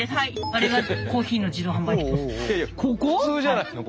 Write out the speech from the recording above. あれが普通じゃないの？